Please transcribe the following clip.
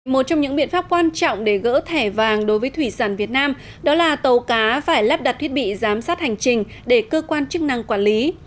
một trong những biện pháp quan trọng để gỡ thẻ vàng đối với thủy sản việt nam đó là tàu cá phải lắp đặt thiết bị giám sát hành trình để cơ quan chức năng quản lý